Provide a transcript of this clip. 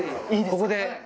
ここで。